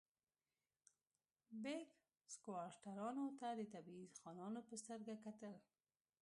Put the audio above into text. بیګ سکواټورانو ته د طبیعي خانانو په سترګه کتل.